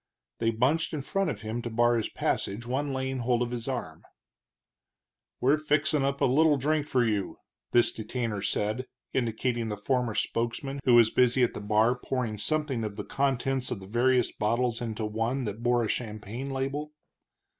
They bunched in front of him to bar his passage, one laying hold of his arm. "We're fixin' up a little drink for you," this detainer said, indicating the former spokesman, who was busy at the bar pouring something of the contents of the various bottles into one that bore a champagne label.